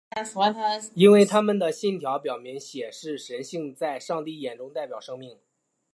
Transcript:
因为他们的信条表明血是神性的在上帝眼中代表生命。